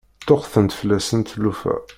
Ṭṭuqqtent fell-asent tlufa.